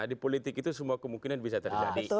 di politik itu semua kemungkinan bisa terjadi